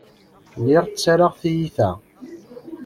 Lliɣ ttarraɣ tiyita.